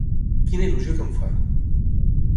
Quina il·lusió que em fa!